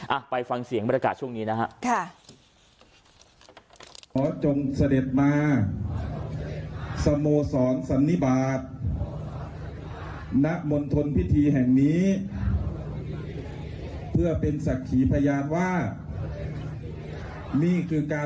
อ่ะไปฟังเสียงบริการช่วงนี้นะฮะค่ะ